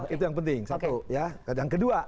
itu yang penting satu ya yang kedua